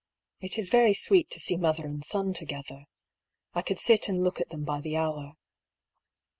It is very sweet to see mother and son together. I could sit and look at them by the hour.